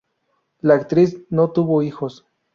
La actriz no tuvo hijos.